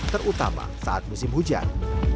terutama saat musim hujan